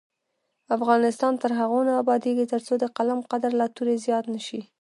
افغانستان تر هغو نه ابادیږي، ترڅو د قلم قدر له تورې زیات نه شي.